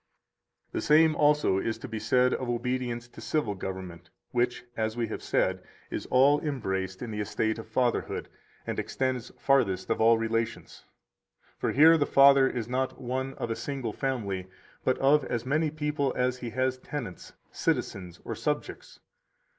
150 The same also is to be said of obedience to civil government, which (as we have said) is all embraced in the estate of fatherhood and extends farthest of all relations. For here the father is not one of a single family, but of as many people as he has tenants, citizens, or subjects.